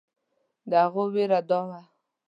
د هغوی وېره دا وه.